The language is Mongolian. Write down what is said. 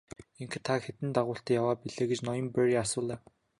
Ингэхэд та хэдэн дагуултай яваа билээ гэж ноён Берн асуулаа.